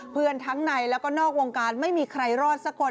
เพื่อนทั้งในแล้วก็นอกวงการไม่มีใครรอดสักคน